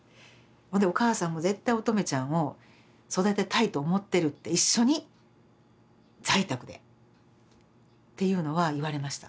ほんでお母さんも絶対音十愛ちゃんを育てたいと思ってるって一緒に在宅でっていうのは言われました。